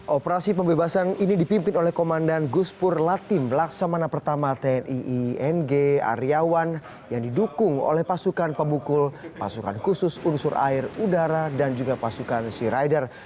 operasi pembebasan ini dipimpin oleh komandan guspur latim laksamana i tning aryawan yang didukung oleh pasukan pemukul pasukan khusus unsur air udara dan juga pasukan sea rider